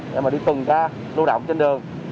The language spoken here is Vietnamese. để mà đi tuần ca lưu động trên đường